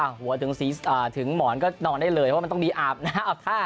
หัวถึงสีถึงหมอนก็นอนได้เลยว่ามันต้องมีอาบน้ำอาบท่า